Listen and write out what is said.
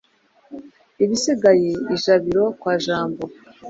ibisigaye ijabiro kwa jambo